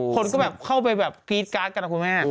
คนก็เข้าไปพีชการต์กันแล้วคุณแม่